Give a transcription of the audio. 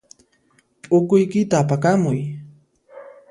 P'ukuykita apakamuy.